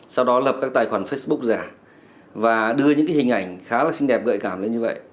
sau đó lập các tài khoản facebook giả và đưa những hình ảnh khá là xinh đẹp gợi cảm lên như vậy